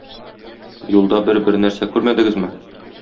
Юлда бер-бер нәрсә күрмәдегезме?